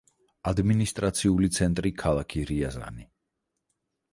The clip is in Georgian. ადმინისტრაციული ცენტრი ქალაქი რიაზანი.